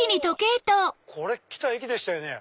これ来た駅でしたよね？